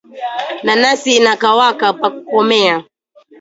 Nanasi inakawaka pa kukomea